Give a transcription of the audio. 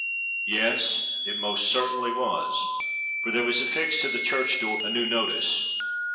Yes, it most certainly was, for there was affixed to the church door a new notice.